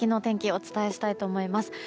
お伝えしたいと思います。